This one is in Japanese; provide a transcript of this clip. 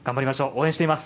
応援しています。